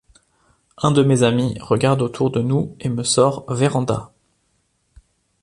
Un de mes amis regarde autour de nous et me sort « Véranda ».